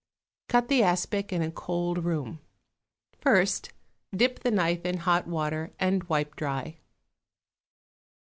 Cut the aspic in a cold room; first dip the knife in hot water and wipe dry.